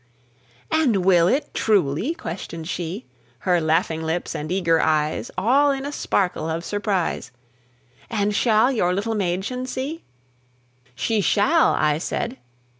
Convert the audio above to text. "And will it, truly?" questioned she Her laughing lips and eager eyes All in a sparkle of surprise "And shall your little Mädchen see?" "She shall!" I said.